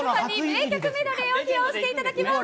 名曲メドレーを披露していただきます。